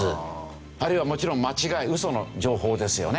あるいはもちろん間違いウソの情報ですよね。